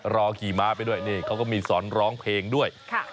ขี่ม้าไปด้วยนี่เขาก็มีสอนร้องเพลงด้วย